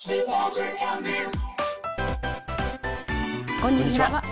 こんにちは。